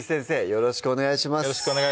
よろしくお願いします